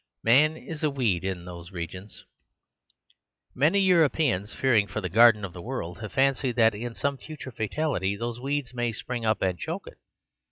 "Man is a weed in those regions." Many Europeans, fearing for the garden of the world, have fancied that in some future fatality those weeds may spring up and choke it.